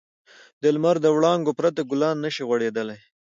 د لمر د وړانګو پرته ګلان نه شي غوړېدلی.